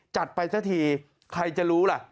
จัดไปซะทีใครจะรู้ล่ะ